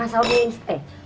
ya udah gitu aja